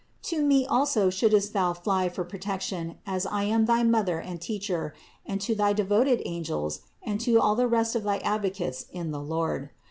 To me also shouldst thou fly for protection as I am thy Mother and Teacher, and to thy devoted angels, and to all the rest of thy advocates in the Lord.